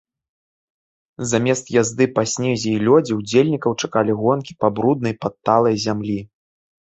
Замест язды па снезе і лёдзе ўдзельнікаў чакалі гонкі па бруднай падталай зямлі.